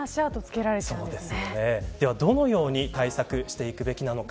では、どのように対策していくべきなのか。